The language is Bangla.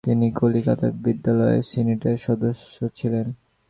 তিনি কলিকাতা বিশ্ববিদ্যালয়ের সিনেটের সদস্য ছিলেন।